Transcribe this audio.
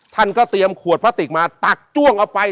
ท่านก็เตรียมขวดพลาสติกมาตักจ้วงเอาไป